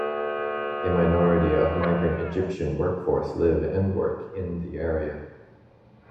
A minority of migrant Egyptian workforce live and work in the area.